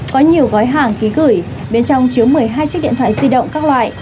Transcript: có nhiều gói hàng ký gửi bên trong chứa một mươi hai chiếc điện thoại di động các loại